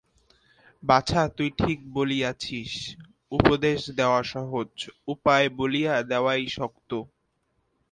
বাছা, তুই ঠিক বলিয়াছিস–উপদেশ দেওয়া সহজ, উপায় বলিয়া দেওয়াই শক্ত।